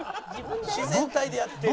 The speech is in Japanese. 自然体でやってよ。